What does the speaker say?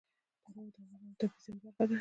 تنوع د افغانستان د طبیعي زیرمو برخه ده.